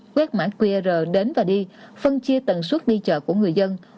quét mã qr đến và đi phân chia tầng suốt đi chợ của người dân